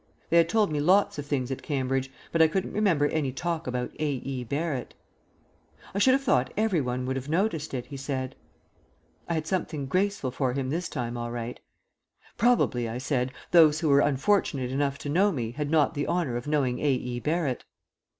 They had told me lots of things at Cambridge, but I couldn't remember any talk about A. E. Barrett. "I should have thought every one would have noticed it," he said. I had something graceful for him this time all right. "Probably," I said, "those who were unfortunate enough to know me had not the honour of knowing A. E. Barrett."